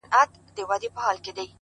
هغه خو زما کره په شپه راغلې نه ده؛